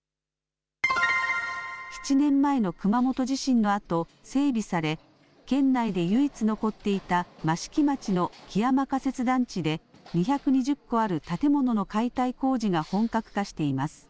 ７年前の熊本地震のあと整備され県内で唯一残っていた益城町の木山仮設団地で２２０戸ある建物の解体工事が本格化しています。